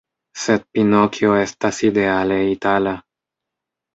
Sed Pinokjo estas ideale itala.